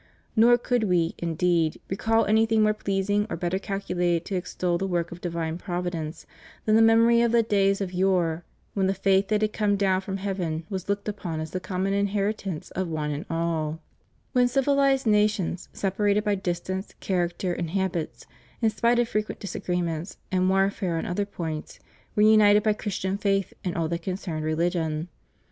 Nor could We, indeed, recall anything more pleasing or better calculated to extol the work of divine Providence than the memory of the days of yore, when the faith that had come down from heaven was looked upon as the common inheritance of one and all; when civilized nations, separated by distance, character and habits, in spite of frequent disagreements and warfare on other points, were united by Christian faith in all that concerned religion.